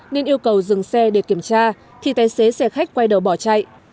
nên yêu cầu dừng xe để kiểm tra thì tài xế xe khách quay đầu bỏ chạy